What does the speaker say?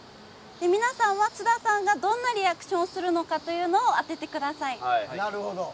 皆さんは津田さんがどんなリアクションをするかを当ててください。